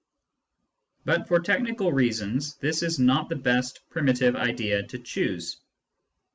But for technical reasons this is not the best primitive idea to choose.